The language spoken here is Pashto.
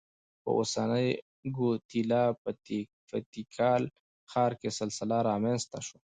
په اوسنۍ ګواتیلا په تیکال ښار کې سلسله رامنځته شوه.